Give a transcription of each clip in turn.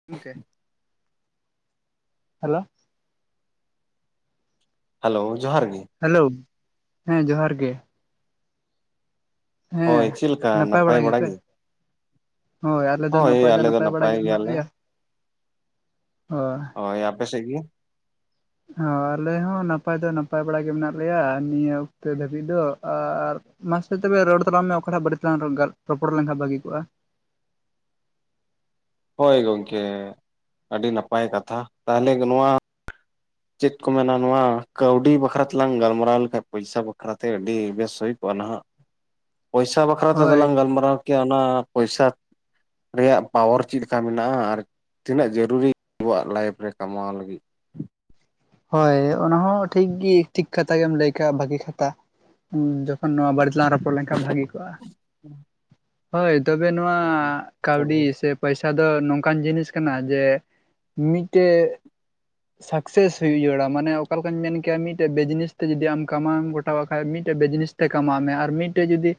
[inaudible] Hello hello ᱡᱚᱦᱟᱨ ᱜᱮ᱾ Hello ᱦᱮᱸ ᱡᱚᱦᱟᱨ ᱜᱮ᱾ ᱦᱳᱭ ᱦᱮᱸ ᱪᱮᱫ ᱞᱮᱠᱟ ᱱᱟᱯᱟᱭ ᱵᱟᱲᱟ ᱜᱮᱭᱟᱯᱮ? ᱜᱮ? ᱦᱳᱭ ᱟᱞᱮ ᱫᱚ ᱱᱟᱯᱟᱭ ᱫᱚ ᱱᱟᱯᱟᱭ ᱵᱟᱲᱟ ᱜᱮ ᱢᱮᱱᱟᱜ ᱞᱮᱭᱟ ᱦᱳᱭ᱾ ᱦᱳᱭ ᱟᱯᱮ ᱥᱮᱜ ᱜᱮ? ᱦᱚᱸ ᱟᱞᱮ ᱦᱚᱸ ᱱᱟᱯᱟᱭ ᱫᱚ ᱱᱟᱯᱟᱭ ᱵᱟᱲᱟ ᱜᱮ ᱢᱮᱱᱟᱜ ᱞᱮᱭᱟ, ᱟ ᱱᱤᱭᱟᱹ ᱚᱠᱛᱮ ᱫᱷᱟᱹᱵᱤᱡ ᱫᱚ ᱟᱨ ᱢᱟᱥᱮ ᱛᱚᱵᱮ ᱨᱚᱲ ᱛᱟᱞᱟᱝ ᱢᱮ ᱚᱠᱟ ᱴᱟᱜ ᱵᱟᱨᱮ ᱛᱮ ᱛᱮᱞᱟᱝ ᱜᱟ ᱨᱚᱯᱚᱲ ᱞᱮᱱᱷᱟᱱ ᱵᱷᱟᱹᱜᱤ ᱠᱚᱜᱼᱟ? ᱦᱳᱭ ᱜᱚᱝᱠᱮ ᱟᱹᱰᱤ ᱱᱟᱯᱟᱭ ᱠᱟᱛᱷᱟ ᱛᱟᱦᱞᱮ ᱱᱚᱣᱟ ᱪᱮᱫ ᱠᱚ ᱢᱮᱱᱟ ᱱᱚᱣᱟ ᱠᱟᱹᱣᱰᱤ ᱵᱟᱠᱷᱨᱟ ᱛᱮᱞᱟᱝ ᱜᱟᱞᱢᱟᱨᱟᱣ ᱞᱮᱠᱷᱟᱡ ᱯᱚᱭᱥᱟ ᱵᱟᱠᱷᱨᱟ ᱛᱮ ᱟᱹᱰᱤ ᱵᱮᱥ ᱦᱩᱭ ᱠᱚᱜᱼᱟ ᱱᱟᱦᱟᱜ᱾ ᱯᱚᱭᱥᱟ ᱵᱟᱠᱷᱨᱟ ᱛᱮᱫᱚ ᱦᱳᱭ ᱞᱟᱝ ᱜᱟᱞᱢᱟᱨᱟᱣ ᱠᱮᱭᱟ ᱚᱱᱟ ᱯᱚᱭᱥᱟ ᱨᱮᱭᱟᱜ ᱯᱟᱣᱟᱨ ᱪᱮᱫ ᱞᱮᱠᱟ ᱢᱮᱱᱟᱜᱼᱟ ᱟᱨ ᱛᱤᱱᱟᱹᱜ ᱡᱟᱹᱨᱩᱨᱤ ᱟᱵᱚᱣᱟᱜ ᱞᱟᱭᱤᱯᱷ ᱨᱮ ᱠᱟᱢᱟᱣ ᱞᱟᱹᱜᱤᱜ? ᱦᱳᱭ ᱚᱱᱟ ᱦᱚᱸ ᱴᱷᱤᱠ ᱜᱮ ᱴᱷᱤᱠ ᱠᱟᱛᱷᱟ ᱜᱮᱢ ᱞᱟᱹᱭ ᱠᱟᱛᱷᱟ ᱵᱷᱟᱜᱤ ᱠᱟᱛᱷᱟ, ᱦᱩᱸ ᱡᱚᱠᱷᱚᱱ ᱱᱚᱣᱟ ᱵᱟᱲᱮ ᱛᱮᱞᱟᱝ ᱨᱚᱯᱚᱲ ᱞᱮᱱᱠᱷᱟᱱ ᱵᱷᱟᱹᱜᱤ ᱠᱚᱜ-ᱟ᱾ ᱦᱳᱭ ᱛᱚᱵᱮ ᱱᱚᱣᱟ ᱠᱟᱹᱣᱰᱤ ᱥᱮ ᱯᱚᱭᱥᱟ ᱫᱚ ᱱᱚᱝᱠᱟᱱ ᱡᱤᱱᱤᱥ ᱠᱟᱱᱟ ᱡᱮ ᱢᱤᱫᱴᱮᱡ ᱥᱟᱠᱥᱮᱥ ᱦᱩᱭᱩᱜ ᱡᱩᱲᱟ ᱢᱟᱱᱮ ᱚᱠᱟ ᱞᱮᱠᱟᱧ ᱢᱮᱱ ᱠᱮᱭᱟ ᱢᱤᱫᱴᱮᱱ ᱵᱮᱡᱽᱱᱮᱥ ᱛᱮ ᱡᱩᱫᱤ ᱟᱢ ᱠᱟᱢ ᱟᱣ ᱜᱚᱴᱟ ᱟᱠᱟᱫ ᱢᱤᱫᱴᱮᱱ ᱵᱤᱡᱱᱮᱥ ᱛᱮ ᱠᱟᱢᱟᱣ ᱢᱮ ᱟᱨ ᱢᱤᱫᱴᱮᱡ ᱡᱩᱫᱤ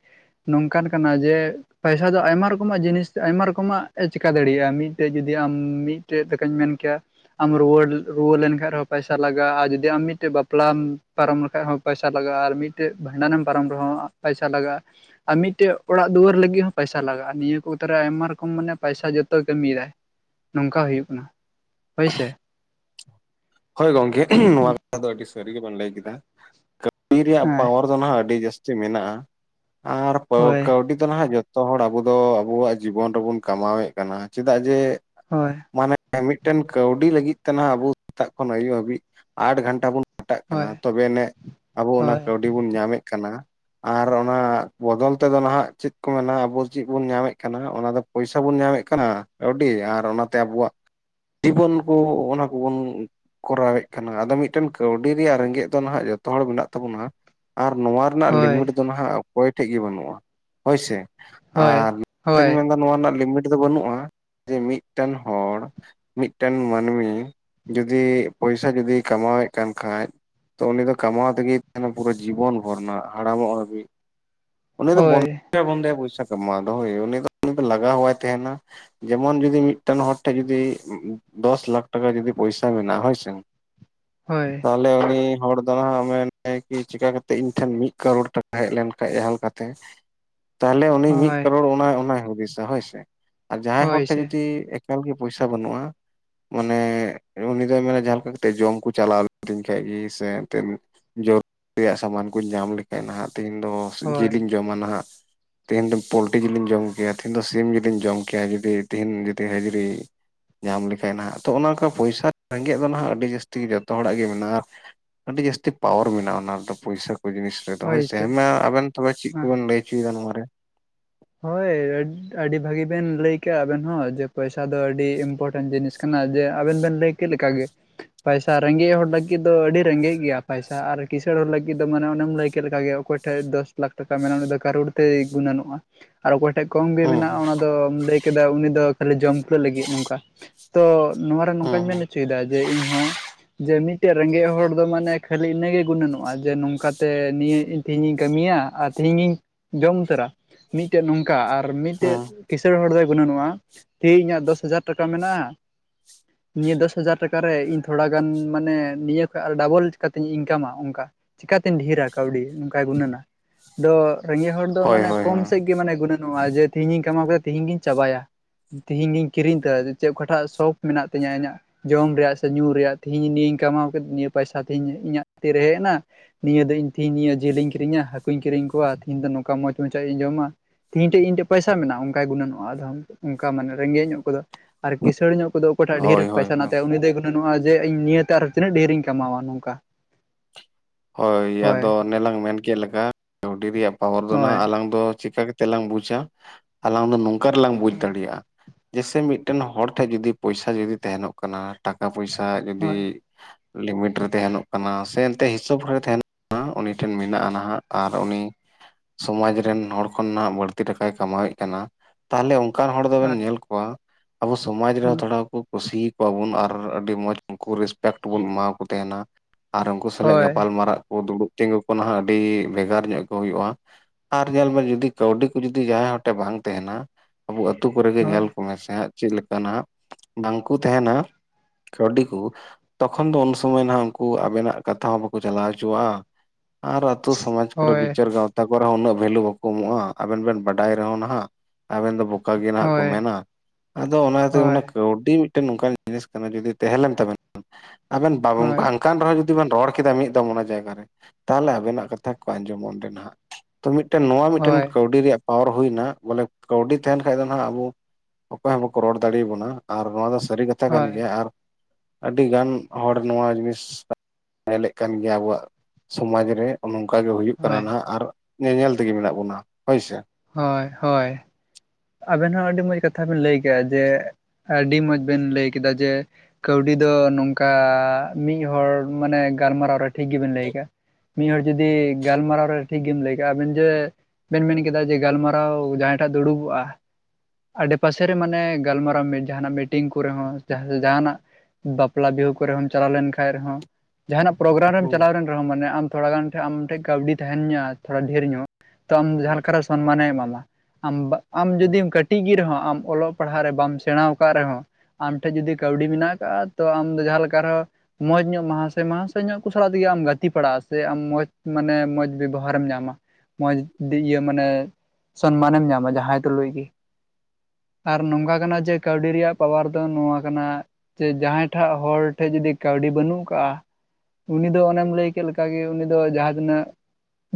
ᱱᱚᱝᱠᱟᱱ ᱠᱟᱱᱟ ᱡᱮ ᱯᱚᱭᱥᱟ ᱫᱚ ᱟᱭᱢᱟ ᱨᱚᱠᱚᱢᱟᱜ ᱡᱤᱱᱤᱥ ᱟᱭᱢᱟ ᱨᱚᱠᱚᱢᱟᱜ ᱮ ᱪᱤᱠᱟ ᱫᱟᱲᱮᱭᱟᱜᱼᱟ ᱢᱤᱫᱴᱮᱡ ᱡᱚᱫᱤ ᱟᱢ ᱢᱤᱫᱴᱮᱡ ᱞᱮᱠᱟᱧ ᱢᱮᱱ ᱠᱮᱭᱟ ᱟᱢ ᱨᱩᱣᱟᱹᱲ ᱨᱩᱣᱟᱹ ᱞᱮᱱᱠᱷᱟᱡ ᱦᱚᱸ ᱯᱟᱭᱥᱟ ᱞᱟᱜᱟᱜᱼᱟ ᱟᱨ ᱡᱩᱫᱤ ᱟᱢ ᱢᱤᱫᱴᱮᱱ ᱵᱟᱯᱞᱟᱢ ᱯᱟᱨᱚᱢ ᱞᱮᱠᱷᱟ ᱦᱚᱸ ᱯᱟᱭᱥᱟ ᱞᱟᱜᱟᱜᱼᱟ ᱟᱨ ᱢᱤᱫ ᱢᱤᱫᱴᱮᱡ ᱵᱷᱟᱸᱰᱟᱱᱮᱢ ᱯᱟᱨᱚᱢ ᱨᱮᱦᱚᱸ ᱯᱚᱭᱥᱟ ᱞᱟᱜᱟᱜᱼᱟ, ᱟᱨ ᱢᱤᱫᱴᱮᱡ ᱚᱲᱟᱜ ᱫᱩᱣᱟᱹᱨ ᱞᱟᱹᱜᱤᱫ ᱦᱚᱸ ᱯᱚᱭᱥᱟ ᱞᱟᱜᱟᱜᱼᱟ ᱱᱤᱭᱟᱹ ᱠᱚ ᱛᱚᱨᱟ ᱟᱭᱢᱟ ᱨᱚᱠᱚᱢ ᱢᱟᱱᱮ ᱯᱚᱭᱥᱟ ᱡᱚᱛᱚᱭ ᱠᱟᱹᱢᱤᱭ ᱫᱟᱭ ᱱᱚᱝᱠᱟ ᱦᱩᱭᱩᱜ ᱠᱟᱱᱟ ᱦᱳᱭᱥᱮ, ᱦᱳᱭ ᱜᱚᱢᱠᱮ ᱱᱚᱣᱟ ᱠᱟᱛᱷᱟ ᱫᱚ ᱟᱹᱰᱤ ᱥᱟᱹᱨᱤ ᱜᱮᱵᱮᱱ ᱞᱟᱹᱭ ᱠᱮᱫᱟ, ᱠᱟᱹᱢᱤ ᱨᱮᱭᱟᱜ ᱦᱮᱸ ᱯᱟᱣᱟᱨ ᱫᱚ ᱱᱟᱦᱟᱜ ᱟᱹᱰᱤ ᱡᱟᱹᱥᱛᱤ ᱢᱮᱱᱟᱜᱼᱟ, ᱟᱨ ᱯᱟᱣ ᱦᱳᱭ ᱠᱟᱹᱣᱰᱤ ᱫᱚ ᱱᱟᱦᱟᱜ ᱡᱚᱛᱚ ᱦᱚᱲ ᱟᱵᱚ ᱫᱚ ᱟᱵᱚᱣᱟᱜ ᱡᱤᱵᱚᱱ ᱨᱮᱵᱚᱱ ᱠᱟᱢᱟᱣᱮᱜ ᱠᱟᱱᱟ, ᱪᱮᱫᱟᱜ ᱡᱮ ᱦᱳᱭ᱾ ᱢᱟᱱᱮ ᱢᱤᱫᱴᱮᱱ ᱠᱟᱹᱣᱰᱤ ᱞᱟᱹᱜᱤᱫ ᱛᱮᱦᱟᱜ ᱟᱵᱚ ᱥᱮᱛᱟᱜ ᱠᱷᱚᱱ ᱟᱹᱭᱩᱵ ᱦᱟᱹᱵᱤᱡ ᱟᱴ ᱜᱷᱚᱱᱴᱟ ᱵᱩᱱ ᱠᱷᱟᱴᱟᱜ ᱦᱳᱭ ᱠᱟᱱᱟ ᱛᱚᱵᱮ ᱟᱹᱱᱮᱡ ᱟᱵᱚ ᱚᱱᱟ ᱦᱳᱭ ᱠᱟᱹᱣᱰᱤ ᱵᱚᱱ ᱧᱟᱢᱮᱫ ᱠᱟᱱᱟ᱾ ᱟᱨ ᱚᱱᱟ ᱵᱚᱫᱚᱞ ᱛᱮᱫᱚ ᱱᱟᱦᱟᱜ ᱪᱮᱫ ᱠᱚ ᱢᱮᱱᱟ ᱟᱵᱚ ᱪᱮᱫ ᱵᱚᱱ ᱧᱟᱢᱮᱫ ᱠᱟᱱᱟ ᱚᱱᱟ ᱫᱚ ᱯᱚᱭᱥᱟ ᱵᱚᱱ ᱧᱟᱢᱮᱫ ᱠᱟᱱᱟ ᱠᱟᱹᱣᱰᱤ ᱟᱨ ᱚᱱᱟᱛᱮ ᱟᱵᱚᱣᱟᱜ ᱡᱤᱵᱚᱱ ᱠᱚ ᱚᱱᱟ ᱠᱚᱵᱚᱱ ᱠᱚᱨᱟᱣᱮᱫ ᱠᱟᱱᱟ᱾ ᱟᱫᱚ ᱢᱤᱫᱴᱮᱱ ᱠᱟᱹᱣᱰᱤ ᱨᱮᱭᱟᱜ ᱨᱮᱸᱜᱮᱡ ᱫᱚ ᱱᱟᱦᱟᱜ ᱡᱚᱛᱚ ᱦᱚᱲ ᱢᱮᱱᱟᱜ ᱛᱟᱵᱚᱱᱟ ᱟᱨ ᱱᱚᱣᱟ ᱨᱮᱱᱟᱜ ᱦᱳᱭ ᱞᱤᱢᱤᱴ ᱫᱚ ᱱᱟᱦᱟᱜ ᱚᱠᱚᱭ ᱴᱷᱮᱡ ᱜᱮ ᱵᱟᱹᱱᱩᱜᱼᱟ ᱦᱳᱭ ᱥᱮ᱾ ᱦᱳᱭ ᱟᱨ [inaudible] ᱦᱳᱭ ᱢᱮᱱᱫᱟ ᱱᱚᱣᱟ ᱨᱮᱱᱟᱜ ᱞᱤᱢᱤᱴ ᱤᱭᱟᱹ ᱫᱚ ᱵᱟᱹᱱᱩᱜᱼᱟ, ᱡᱮ ᱢᱤᱫᱴᱮᱱ ᱦᱚᱲ ᱢᱤᱫᱴᱮᱱ ᱢᱟᱹᱱᱢᱤ ᱡᱩᱫᱤ ᱯᱚᱭᱥᱟ ᱡᱩᱫᱤ ᱠᱟᱢᱟᱣᱮᱫ ᱠᱟᱱ ᱠᱷᱟᱡ, ᱛᱚ ᱩᱱᱤ ᱫᱚ ᱠᱟᱢᱟᱣ ᱛᱮᱜᱮ ᱛᱟᱦᱮᱱᱟ ᱯᱩᱨᱟᱹ ᱡᱤᱵᱚᱱ ᱦᱚᱨᱱᱟ ᱦᱟᱲᱟᱢᱚᱜ ᱦᱟᱹᱵᱤᱡ᱾ ᱩᱱᱤ ᱫᱚ ᱦᱳᱭ ᱵᱚᱱᱫᱮ ᱵᱚᱱᱫᱮ ᱯᱚᱭᱥᱟ ᱠᱟᱢᱟᱣ ᱫᱚ ᱦᱳᱭ ᱩᱱᱤ ᱫᱚ ᱩᱱᱤ ᱫᱚ ᱞᱟᱜᱟᱣ ᱦᱚᱵᱟᱭ ᱛᱟᱦᱮᱱᱟ᱾ ᱡᱮᱢᱚᱱ ᱡᱩᱫᱤ ᱢᱤᱫᱴᱮᱱ ᱦᱚᱲ ᱴᱷᱮᱱ ᱡᱩᱫᱤ ᱫᱚᱥ ᱞᱟᱠᱷ ᱴᱟᱠᱟ ᱡᱩᱫᱤ ᱯᱚᱭᱥᱟ ᱢᱮᱱᱟᱜ-ᱟ ᱦᱚᱭᱥᱮ, ᱦᱳᱭ, ᱛᱟᱦᱚᱞᱮ ᱩᱱᱤ ᱦᱚᱲ ᱫᱚ ᱱᱟᱦᱟᱜ ᱢᱮᱱᱟ ᱠᱤ ᱪᱤᱠᱟ ᱠᱟᱛᱮ ᱤᱧ ᱴᱷᱮᱱ ᱢᱤᱫ ᱠᱟᱨᱳᱲ ᱴᱟᱠᱟ ᱦᱮᱡ ᱞᱮᱱ ᱠᱷᱟᱡ ᱡᱟᱦᱟᱸ ᱞᱮᱠᱟᱛᱮ, [unintelligible] ᱛᱟᱦᱚᱞᱮ ᱩᱱᱤ ᱢᱤᱫ ᱦᱳᱭ ᱠᱟᱨᱳᱲ ᱚᱱᱟ ᱚᱱᱟᱭ ᱦᱩᱫᱤᱥᱟ ᱦᱳᱭ ᱥᱮ ᱟᱨ ᱡᱟᱦᱟᱸᱭ ᱦᱚᱲ ᱦᱳᱭ ᱴᱷᱮᱱ ᱥᱮ ᱡᱩᱫᱤ ᱮᱠᱟᱞ ᱜᱮ ᱯᱚᱭᱥᱟ ᱵᱟᱹᱱᱩᱜᱼᱟ, ᱢᱟᱱᱮ ᱩᱱᱤ ᱫᱚᱭ ᱢᱮᱱᱟ ᱡᱟᱦᱟᱸ ᱞᱮᱠᱟ ᱠᱟᱛᱮᱫ ᱡᱚᱢ ᱠᱚ ᱪᱟᱞᱟᱣ ᱞᱤᱫᱤᱧ ᱠᱷᱟᱡ ᱜᱮ ᱥᱮ ᱮᱱᱛᱮᱫ᱾ ᱡᱚᱢ ᱨᱮᱭᱟᱜ ᱥᱟᱢᱟᱱ ᱠᱚᱧ ᱧᱟᱢ ᱞᱮᱠᱷᱟᱡ ᱱᱟᱦᱟᱜ ᱛᱮᱦᱮᱧ ᱫᱚ ᱦᱳᱭ ᱡᱤᱞᱤᱧ ᱡᱚᱢᱟ ᱱᱟᱦᱟᱜ᱾ ᱛᱤᱦᱧ ᱫᱚ ᱯᱳᱞᱴᱤ ᱡᱤᱞᱤᱧ ᱡᱚᱢ ᱠᱮᱭᱟ, ᱛᱤᱦᱤᱧ ᱫᱚ ᱥᱤᱢ ᱡᱤᱞᱤᱧ ᱡᱚᱢ ᱠᱮᱭᱟ, ᱡᱩᱫᱤ ᱛᱤᱦᱤᱧ ᱡᱩᱫᱤ ᱦᱟᱹᱡᱨᱤ ᱧᱟᱢ ᱞᱮᱠᱟᱡ ᱱᱟᱦᱟᱸᱜ ᱛᱚ ᱚᱱᱮ ᱚᱱᱠᱟ ᱯᱚᱭᱥᱟ ᱨᱮᱸᱜᱮᱡ ᱫᱚ ᱱᱟᱸᱜ ᱟᱹᱰᱤ ᱡᱟᱹᱥᱛᱤ ᱡᱚᱛᱚ ᱦᱚᱲᱟᱜ ᱜᱮ ᱢᱮᱱᱟᱜᱼᱟ᱾ ᱟᱨ ᱡᱟᱹᱥᱛᱤ ᱯᱟᱣᱟᱨ ᱢᱮᱱᱟᱜᱼᱟ ᱚᱱᱟ ᱨᱮᱫᱚ ᱯᱚᱭᱥᱟ ᱠᱚ ᱡᱤᱱᱤᱥ᱾ ᱨᱮᱫᱚ ᱦᱳᱭ ᱥᱮ ᱢᱟ ᱟᱵᱮᱱ ᱛᱚᱵᱮ ᱪᱮᱫ ᱠᱚᱵᱮᱱ ᱞᱟᱹᱭ ᱦᱚᱪᱚᱭᱮᱫᱟ ᱱᱚᱣᱟ ᱨᱮ? ᱦᱳᱭ ᱟᱹᱰᱤ ᱵᱷᱟᱹᱜᱤ ᱵᱮᱱ ᱞᱟᱹᱭ ᱠᱮᱜ ᱟᱵᱮᱱ ᱦᱚᱸ ᱡᱮ ᱯᱚᱭᱥᱟ ᱫᱚ ᱟᱹᱰᱤ ᱤᱢᱯᱚᱴᱮᱱᱴ ᱡᱤᱱᱤᱥ ᱠᱟᱱᱟ ᱡᱮ ᱟᱵᱮᱱ ᱵᱮᱱ ᱞᱟᱹᱭᱟ ᱠᱮᱫ ᱞᱮᱠᱟ ᱜᱮ ᱯᱟᱭᱥᱟ ᱨᱮᱸᱜᱮᱡ ᱦᱚᱲ ᱞᱟᱹᱜᱤᱫ ᱫᱚ ᱟᱹᱰᱤ ᱨᱮᱸᱜᱮᱡ ᱜᱮᱭᱟ ᱯᱟᱭᱥᱟ ᱟᱨ ᱠᱤᱸᱥᱟᱹᱬ ᱦᱚᱲ ᱞᱟᱹᱜᱤᱫ ᱫᱚ ᱢᱟᱱᱮ ᱚᱱᱮᱢ ᱞᱟᱹᱭ ᱠᱮᱫ ᱞᱮᱠᱟ ᱜᱮ ᱚᱠᱚᱭ ᱴᱷᱮᱱ ᱫᱚᱥ ᱞᱟᱠᱷ ᱴᱟᱠᱟ ᱢᱮᱱᱟᱜᱼᱟ ᱩᱱᱤ ᱫᱚ ᱠᱟᱨᱩᱲ ᱛᱮᱭ ᱜᱩᱱᱟᱹᱱᱚᱜᱼᱟ᱾ ᱟᱨ ᱚᱠᱚᱭ ᱴᱷᱮᱡ ᱠᱚᱢ ᱜᱮ ᱦᱩᱸ ᱦᱩᱸ ᱢᱮᱱᱟᱜ-ᱟ᱾ ᱚᱱᱟ ᱫᱚᱢ ᱞᱟᱹᱭ ᱠᱮᱫᱟ ᱩᱱᱤ ᱫᱚ ᱠᱷᱟᱹᱞᱤ ᱡᱚᱢ ᱯᱷᱩᱞᱟᱹᱜ ᱞᱟᱹᱜᱤᱫ ᱱᱚᱝᱠᱟ, ᱛᱚ ᱱᱚᱣᱟ ᱨᱮ ᱦᱩᱸ ᱱᱚᱝᱠᱟᱧ ᱢᱮᱱ ᱦᱩᱸ ᱦᱚᱪᱚᱭᱮᱫᱟ ᱡᱮ ᱤᱧᱦᱚᱸ, ᱡᱮ ᱢᱤᱫ ᱢᱤᱫᱴᱮᱡ ᱨᱮᱸᱜᱮᱡ ᱦᱚᱲ ᱫᱚ ᱢᱟᱱᱮ ᱠᱷᱟᱹᱞᱤ ᱤᱱᱟᱹ ᱜᱮ ᱜᱩᱱᱟᱹᱱᱚᱜ-ᱟ᱾ ᱡᱮ ᱱᱚᱝᱠᱟ ᱛᱮ ᱱᱤᱭᱟᱹ ᱛᱮᱦᱮᱧ ᱤᱧ ᱠᱟᱹᱢᱤᱭᱟ᱾ ᱟᱨ ᱛᱮᱦᱤᱧ ᱤᱧ ᱡᱚᱢ ᱩᱛᱟᱹᱨᱟ ᱢᱤᱫᱴᱮᱡ ᱱᱚᱝᱠᱟ᱾ ᱟᱨ ᱦᱩᱸ ᱢᱤᱫᱴᱮᱡ ᱠᱤᱥᱟᱹᱬ ᱦᱚᱲ ᱫᱚᱭ ᱜᱩᱱᱟᱹᱱᱚᱜ-ᱟ ᱛᱮᱤᱦᱤᱧ ᱤᱧᱟᱹᱜ ᱫᱚᱥ ᱦᱟᱡᱟᱨ ᱴᱟᱠᱟ ᱢᱮᱱᱟᱜ-ᱟ ᱱᱤᱭᱟᱹ ᱫᱚᱥ ᱦᱟᱡᱟᱨ ᱴᱟᱠᱟᱨᱮ ᱤᱧ ᱛᱷᱚᱲᱟ ᱜᱟᱱ ᱢᱟᱱᱮ ᱱᱤᱭᱟᱹ ᱠᱷᱚᱡ ᱟᱨᱚ ᱰᱟᱚᱵᱚᱞ ᱠᱟᱛᱮᱤᱧ ᱤᱱᱠᱟᱢᱟ ᱚᱱᱠᱟ᱾ ᱪᱤᱠᱠᱟᱛᱮᱧ ᱰᱷᱮᱨᱟ ᱠᱟᱹᱣᱰᱤ ᱱᱚᱝᱠᱟᱭ ᱜᱩᱱᱟᱹᱱᱟ ᱟᱫᱚ ᱨᱮᱸᱜᱮᱡ ᱦᱚᱲ ᱫᱚ ᱦᱳᱭ ᱢᱟᱱᱮ ᱦᱳᱭ ᱠᱚᱢ ᱦᱳᱭ ᱥᱮᱫ ᱢᱟᱱᱮ ᱜᱩᱱᱚᱜ-ᱟᱭ ᱡᱮ ᱛᱤᱦᱤᱧ ᱠᱟᱢᱟᱣ ᱠᱮᱫᱟ ᱛᱤᱦᱤᱧ ᱜᱤᱧ ᱪᱟᱵᱟᱭᱟ᱾ ᱛᱤᱦᱮᱧ ᱜᱮᱤᱧ ᱠᱤᱨᱤᱧ ᱩᱛᱟᱨᱟ ᱪᱮᱫ ᱚᱠᱟᱴᱟᱜ ᱥᱚᱠ ᱢᱮᱱᱟᱜ ᱛᱤᱧᱟᱹ ᱤᱧᱟᱹᱜ ᱾ ᱡᱚᱢ ᱨᱮᱭᱟᱜ ᱥᱮ ᱧᱩ ᱨᱮᱭᱟᱜ ᱛᱮᱦᱤᱧ ᱱᱤᱭᱟᱹᱧ ᱠᱟᱢᱟᱣ ᱠᱮᱫᱟ ᱱᱤᱭᱟᱹ ᱯᱚᱭᱥᱟ ᱛᱮᱦᱤᱧ ᱤᱧᱟᱹᱜ ᱛᱤᱨᱮ ᱦᱮᱡ ᱮᱱᱟ ᱱᱤᱭᱟᱹ ᱫᱚ ᱤᱧ ᱛᱮᱦᱮᱧ ᱤᱭᱟᱹ ᱡᱤᱞ ᱤᱧ ᱠᱤᱨᱤᱧᱟ ᱦᱟᱹᱠᱩᱧ ᱠᱤᱨᱤᱧ ᱠᱚᱣᱟ ᱛᱮᱦᱮᱧ ᱱᱚᱝᱠᱟ ᱢᱚᱸᱪ ᱢᱚᱸᱪ ᱟᱜ ᱤᱧ ᱡᱚᱢᱟ᱾ ᱛᱤᱦᱤᱧ ᱤᱧ ᱴᱷᱮᱡ ᱤᱧ ᱴᱷᱮᱡ ᱯᱟᱭᱥᱟ ᱢᱮᱱᱟᱜᱼᱟ᱾ ᱚᱱᱠᱟᱭ ᱜᱩᱱᱟᱹᱱᱚᱜᱼᱟ᱾ ᱟᱫᱚ ᱚᱱᱠᱟ ᱢᱟᱱᱮ ᱨᱮᱸᱜᱮᱡ ᱧᱚᱜ ᱠᱚᱫᱚ ᱾ ᱟᱨ ᱠᱤᱸᱟᱹᱲᱬ ᱧᱚᱜ ᱠᱚᱫᱚ ᱚᱠᱚᱭ ᱴᱟᱜ ᱰᱷᱮᱨ ᱦᱳᱭ ᱦᱳᱭ ᱯᱚᱭᱥᱟ ᱢᱮᱱᱟᱜ ᱦᱳᱭ ᱛᱟᱭᱟ ᱩᱱᱤ ᱫᱚ ᱱᱚᱣᱟ ᱡᱮ ᱤᱧ ᱱᱤᱭᱟᱹᱛᱮ ᱟᱨᱚᱸ ᱛᱤᱱᱟᱹᱜ ᱰᱷᱮᱨᱤ ᱤᱧ ᱠᱟᱢᱟᱣᱟ ᱱᱚᱝᱠᱟ᱾ ᱦᱳᱭ ᱟᱫᱚ ᱚᱱᱮ ᱞᱟᱝ ᱢᱮᱱ ᱠᱮᱫᱮᱫ ᱞᱮᱠᱟ᱾ ᱠᱟᱹᱣᱰᱤ ᱨᱮᱭᱟᱜ ᱯᱟᱣᱟᱨ ᱫᱚ ᱱᱟᱦᱟᱸᱜ ᱦᱳᱭ ᱟᱞᱟᱝ ᱫᱚ ᱪᱤᱠᱟ ᱛᱮᱞᱟᱝ ᱵᱩᱡᱟ ᱟᱞᱟᱝ ᱫᱚ ᱱᱚᱝᱠᱟ ᱨᱮᱞᱟᱝ ᱵᱩᱡᱽ ᱦᱳᱭ ᱫᱟᱲᱮᱭᱟᱜᱼᱟ ᱾ ᱡᱮ ᱥᱮ ᱢᱤᱫᱴᱮᱱ ᱦᱚᱲ ᱴᱷᱮᱡ ᱡᱩᱚᱫᱤ ᱯᱚᱭᱥᱟ ᱡᱚᱫᱤ ᱛᱟᱦᱮᱱᱚᱜ ᱠᱟᱱᱟ ᱴᱟᱠᱟ ᱯᱚᱭᱥᱟ ᱡᱩᱚᱫᱤ ᱦᱳᱭ ᱞᱤᱢᱤᱴ ᱨᱮ ᱛᱟᱦᱮᱱᱚᱜ ᱠᱟᱱᱟ ᱥᱮ ᱮᱱᱛᱮ ᱥᱚᱵ ᱨᱮ ᱛᱟᱦᱮᱱᱟ ᱩᱱᱤ ᱴᱷᱮᱱ ᱢᱮᱱᱟᱜᱼᱟ, ᱱᱟᱦᱟᱜ ᱟᱨ ᱩᱱᱤ ᱥᱚᱢᱟᱡ ᱨᱮᱱ ᱦᱚᱲ ᱠᱷᱚᱱᱟᱜ ᱵᱟᱹᱲᱛᱤ ᱴᱟᱠᱟᱭ ᱠᱟᱢᱟᱣᱮᱫ ᱠᱟᱱᱟ᱾ ᱛᱟᱦᱚᱞᱮ ᱚᱱᱠᱟᱱ ᱦᱚᱲ ᱫᱚᱵᱮᱱ ᱧᱮᱞ ᱠᱚᱣᱟ ᱟᱵᱚ ᱥᱚᱢᱟᱡ ᱨᱮᱚᱸ ᱦᱳᱭ ᱛᱷᱚᱲᱟ ᱠᱚ ᱠᱩᱥᱤᱭ ᱟᱠᱚᱣᱟ ᱵᱩᱱ ᱟᱨ ᱟᱹᱰᱤ ᱢᱚᱸᱡᱽ ᱩᱱᱠᱩ ᱨᱮᱥᱯᱮᱠᱴ ᱵᱩᱱ ᱮᱢᱟ ᱠᱚ ᱛᱟᱦᱮᱱᱟ ᱟᱨ ᱩᱱᱠᱩ ᱥᱟᱞᱟᱫ ᱜᱟᱯ ᱦᱳᱭ ᱢᱟᱨᱟᱜ ᱠᱚ ᱫᱩᱲᱩᱵ ᱛᱤᱸᱜᱩ ᱠᱚᱦᱟᱜ ᱟᱹᱰᱤ ᱵᱷᱮᱜᱟᱨ ᱧᱚᱜ ᱜᱮ ᱦᱩᱭᱩᱜᱼᱟ ᱾ ᱟᱨ ᱧᱮᱞ ᱢᱮ ᱡᱩᱫᱤ ᱠᱟᱹᱣᱰᱤ ᱠᱚ ᱡᱩᱫᱤ ᱡᱟᱦᱟᱸᱭ ᱦᱚᱲ ᱴᱷᱮᱡ ᱵᱟᱝ ᱛᱟᱦᱮᱱᱟ ᱟᱵᱚ ᱟᱹᱛᱩ ᱠᱚᱨᱮᱜᱮ ᱦᱳᱭ ᱧᱮᱞ ᱠᱚ ᱢᱮᱥᱮ ᱪᱮᱫ ᱞᱮᱠᱟ ᱱᱟᱜ ᱵᱟᱝ ᱠᱚ ᱛᱟᱦᱮᱱᱟ ᱠᱟᱹᱣᱰᱤ ᱠᱚ ᱛᱚᱠᱷᱚᱱ ᱫᱚ ᱩᱱ ᱥᱚᱢᱚᱭ ᱱᱟ ᱩᱱᱠᱩ ᱟᱵᱮᱱᱟᱜ ᱠᱟᱛᱷᱟ ᱦᱚᱸ ᱠᱚ ᱪᱟᱞᱟᱣ ᱦᱚᱪᱚᱣᱟᱜᱼᱟ ᱟᱨ ᱟᱛᱳ ᱥᱚᱢᱟᱡ ᱠᱚᱨᱮ ᱦᱳᱭ ᱵᱤᱪᱟᱹᱨ ᱜᱟᱶᱛᱟ ᱠᱚᱨᱮ ᱦᱚᱸ ᱩᱱᱟᱹᱜ ᱵᱷᱮᱞᱩ ᱵᱟᱠᱚ ᱮᱢᱚᱜᱼᱟ ᱟᱵᱮᱱ ᱵᱮᱱ ᱵᱟᱰᱟᱭ ᱨᱮᱦᱚᱸ ᱱᱟᱦᱟᱜ ᱾ ᱟᱵᱮᱱ ᱫᱚ ᱵᱚᱠᱟ ᱜᱮ ᱱᱟᱦᱟᱜ ᱠᱚ ᱦᱳᱭ ᱢᱮᱱᱟ ᱟᱫᱚ ᱚᱱᱟᱛᱮ ᱚᱱᱟ ᱦᱳᱭ ᱠᱟᱹᱣᱰᱤ ᱱᱚᱝᱠᱟᱱ ᱡᱤᱱᱤᱥ ᱠᱟᱱᱟ ᱡᱩᱫᱤ ᱛᱟᱦᱮᱸ ᱞᱮᱱ ᱛᱟᱵᱮᱱ ᱟᱵᱮᱱ ᱵᱟ ᱦᱳᱭ ᱠᱟᱱ ᱨᱮᱚᱸ ᱡᱩᱫᱤᱵᱤᱱ ᱨᱚᱲ ᱠᱮᱫᱟ ᱢᱤᱫ ᱫᱚᱢ ᱚᱱᱟ ᱡᱟᱭᱜᱟ ᱨᱮ ᱛᱟᱦᱚᱞᱮ ᱟᱵᱮᱱᱟᱜ ᱠᱟᱛᱷᱟ ᱠᱚ ᱟᱸᱡᱚᱢᱚᱜ-ᱟ ᱚᱸᱰᱮ ᱱᱟᱦᱱᱟᱜ ᱾ ᱛᱚ ᱢᱤᱫᱴᱮᱱ ᱱᱚᱣᱟ ᱢᱤᱫᱴᱮᱱ ᱦᱳᱭ ᱠᱟᱹᱣᱰᱤ ᱨᱮᱭᱟᱜ ᱯᱟᱣᱟᱨ ᱦᱩᱭᱱᱟ ᱵᱚᱞᱮ ᱠᱟᱹᱣᱰᱤ ᱛᱟᱦᱮᱱ ᱠᱷᱟᱡ ᱫᱚ ᱦᱟᱸᱜ ᱟᱵᱚ ᱚᱠᱚᱭ ᱦᱚᱸ ᱵᱟᱠᱚ ᱨᱚᱲ ᱫᱟᱲᱮᱭ ᱟᱵᱚᱱᱟ ᱟᱨ ᱱᱚᱣᱟ ᱫᱚ ᱥᱟᱹᱨᱤ ᱠᱟᱛ ᱠᱟᱛᱷᱟ ᱠᱟᱱ ᱦᱳᱭ ᱜᱮᱭᱟ ᱟᱨ ᱟᱹᱰᱤ ᱜᱟᱱ ᱦᱚᱲ ᱱᱚᱣᱟ ᱡᱤᱱᱤᱥ ᱧᱮᱞᱮᱫ ᱠᱟᱱ ᱜᱮᱭᱟ ᱟᱵᱚᱣᱟᱜ ᱥᱚᱢᱟᱡ ᱨᱮ ᱱᱚᱝᱠᱟ ᱜᱮ ᱦᱩᱭᱩᱜ ᱠᱟᱱᱟ ᱦᱳᱭ ᱱᱟᱸᱜ ᱜ ᱟᱨ ᱧᱮᱧᱮᱞ ᱛᱮᱜᱮ ᱢᱮᱱᱟᱜ ᱵᱚᱱᱟ ᱦᱳᱭ ᱥᱮ ᱾ ᱦᱳᱭ ᱦᱳᱭ ᱾ ᱟᱵᱮᱱ ᱦᱚᱸ ᱟᱹᱰᱤ ᱢᱚᱸᱡᱽ ᱠᱟᱛᱷᱟ ᱵᱮᱱ ᱞᱟᱹᱭ ᱠᱮᱫᱟ ᱡᱮ ᱟᱹᱰᱤ ᱢᱚᱸᱡᱽ ᱵᱮᱱ ᱞᱟᱹᱭ ᱠᱮᱫᱟ ᱡᱮ ᱠᱟᱹᱣᱰᱤ ᱫᱚ ᱱᱚᱝᱠᱟ ᱢᱤᱫ ᱦᱚᱲ ᱢᱟᱱᱮ ᱜᱟᱞᱢᱟᱨᱟᱣ ᱨᱮ ᱴᱷᱤᱠ ᱜᱮᱵᱮᱱ ᱞᱟᱹᱭ ᱠᱟᱜᱼᱟ᱾ ᱢᱤᱫ ᱦᱚᱲ ᱡᱩᱫᱤ ᱜᱟᱞᱢᱟᱨᱟᱣ ᱨᱮ ᱴᱷᱤᱠ ᱜᱮᱢ ᱞᱟᱹᱭ ᱠᱟ ᱟᱵᱮᱱ ᱡᱮ ᱵᱮᱱ ᱢᱮᱱ ᱠᱮᱫᱟ ᱡᱮ ᱜᱟᱞᱢᱟᱨᱟᱣ ᱡᱟᱦᱟᱸᱭᱴᱟᱜ ᱫᱩᱲᱩᱵᱚᱜᱼᱟ ᱟᱰᱮ ᱯᱟᱥᱮ ᱨᱮ ᱢᱟᱱᱮ ᱜᱟᱞᱢᱟᱨᱟᱣ ᱢᱮ ᱡᱟᱦᱟᱱᱟᱜ ᱢᱤᱴᱤᱝ ᱠᱚᱨᱮ ᱦᱚᱸ ᱡᱟᱦᱟᱱᱟᱜ ᱵᱟᱯᱞᱟ ᱵᱤᱦᱩ ᱠᱚᱨᱮᱦᱚᱢ ᱪᱟᱞᱟᱣ ᱞᱮᱱ ᱠᱷᱟᱱᱡ ᱨᱮᱦᱚᱸ ᱡᱟᱦᱟᱱᱟᱜ ᱯᱨᱳᱜᱨᱟᱢ ᱨᱮᱢ ᱦᱩᱸ ᱪᱟᱞᱟᱣ ᱞᱮᱱ ᱨᱮᱦᱚᱸ ᱢᱟᱱᱮ ᱟᱢ ᱛᱷᱚᱲ ᱜᱟᱱ ᱟᱢ ᱴᱷᱮᱱ ᱠᱟᱹᱣᱰᱤ [inaudible] ᱛᱷᱚᱲᱟ ᱰᱷᱮᱨ ᱧᱚᱜ ᱛᱚ ᱟᱢ ᱦᱩᱸ ᱡᱟᱦᱟᱸᱞᱮᱠᱟ ᱨᱮᱦᱚ ᱥᱚᱱᱢᱟᱱᱮ ᱮᱢᱟᱢᱟ ᱟᱢ ᱟᱢ ᱦᱩᱸ ᱡᱩᱫᱤᱢ ᱠᱟᱹᱴᱤᱡ ᱴᱤᱡ ᱜᱮ ᱨᱮᱦᱚᱸ ᱟᱢ ᱚᱞᱚᱜ ᱯᱟᱲᱦᱟᱜ ᱨᱮ ᱵᱟᱢ ᱥᱮᱬᱟᱣ ᱟᱠᱟᱜ ᱨᱮᱦᱚᱸ ᱟᱢ ᱴᱷᱮᱡ ᱡᱚᱫᱤ ᱠᱟᱹᱣᱰᱤ ᱢᱮᱱᱟᱜ ᱟᱠᱟᱜ-ᱟ ᱛᱚ ᱟᱢ ᱫᱚ ᱡᱟᱦᱟᱸ ᱞᱮᱠᱟ ᱨᱮᱦᱚᱸ ᱢᱚᱸᱡᱽ ᱧᱚᱜ ᱢᱟᱦᱟᱥᱚᱭ ᱢᱟᱦᱟᱥᱚᱭ ᱧᱚᱜ ᱠᱚ ᱥᱟᱞᱟᱜ ᱛᱮᱜᱮ ᱟᱢ ᱜᱟᱛᱮ ᱯᱟᱲᱟᱜᱼᱟ ᱥᱮ ᱟᱢ ᱢᱚᱸᱡᱽ ᱢᱟᱱᱮ ᱢᱚᱸᱡᱽ ᱵᱮᱵᱚᱦᱟᱨᱮᱢ ᱧᱟᱢᱟ᱾ ᱢᱚᱡᱽ ᱤᱭᱟᱹ ᱢᱟᱱᱮ ᱥᱚᱱᱢᱟᱱᱮᱢ ᱧᱟᱢᱟ ᱡᱟᱦᱟᱸᱟᱭ ᱛᱩᱞᱩᱭ ᱜᱮ᱾ ᱟᱨ ᱱᱚᱝᱠᱟ ᱠᱟᱱᱟ ᱡᱮ ᱠᱟᱹᱣᱰᱤ ᱨᱮᱭᱟᱜ ᱯᱟᱣᱟᱨ ᱫᱚ ᱱᱚᱣᱟ ᱠᱟᱱᱟ, ᱡᱮ ᱡᱟᱦᱟᱸᱭ ᱴᱷᱟᱜ ᱦᱚᱲ ᱴᱷᱮᱡ ᱡᱚᱫᱤ ᱠᱟᱹᱣᱰᱤ ᱵᱟᱹᱱᱩᱜ ᱠᱟᱜ-ᱟ ᱩᱱᱤ ᱫᱚ ᱚᱱᱮᱢ ᱞᱟᱹᱭ ᱠᱮᱫ ᱞᱮᱠᱟ ᱜᱮ ᱩᱱᱤ ᱫᱚ ᱡᱟᱦᱟᱸ ᱛᱤᱱᱟᱹᱜ